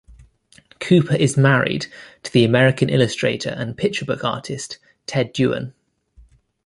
Cooper is married to the American illustrator and picture book artist Ted Dewan.